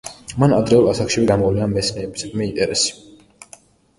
მან ადრეულ ასაკშივე გამოავლინა მეცნიერებისადმი ინტერესი.